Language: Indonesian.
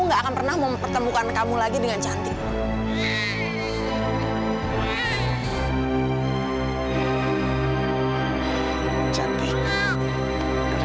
gak akan pernah mempertemukan kamu lagi dengan cantik